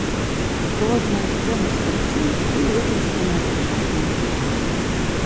Розныя сцэны з карцін былі выкарыстаныя сучаснымі мастакамі.